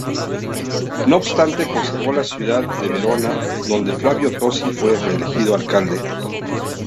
No obstante, conservó la ciudad de Verona, donde Flavio Tosi fue reelegido alcalde.